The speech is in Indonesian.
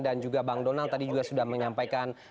dan juga bang donald tadi juga sudah menyampaikan